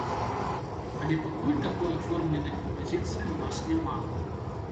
Але пакуль такой аформленай кампазіцыі ў нас няма.